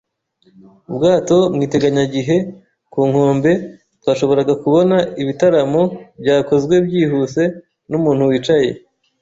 ubwato mu iteganyagihe; ku nkombe twashoboraga kubona ibitaramo byakozwe byihuse numuntu wicaye